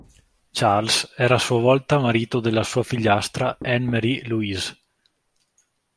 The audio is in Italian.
Charles a sua volta era marito della sua figliastra Anne Marie Louise.